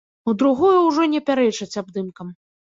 У другую ўжо не пярэчыць абдымкам.